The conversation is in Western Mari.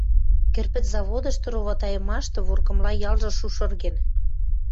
Кӹрпӹц заводышты ровотайымашты вургымла ялжы шушырген.